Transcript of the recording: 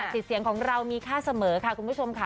สิทธิ์เสียงของเรามีค่าเสมอค่ะคุณผู้ชมค่ะ